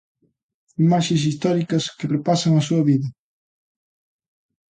Imaxes históricas que repasan a súa vida.